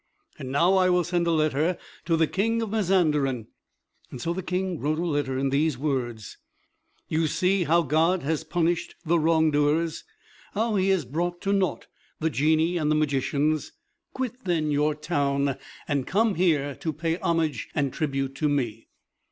And now I will send a letter to the King of Mazanderan." So the King wrote a letter in these words: "You see how God has punished the wrong doers how he has brought to naught the Genii and the magicians. Quit then your town, and come here to pay homage and tribute to me.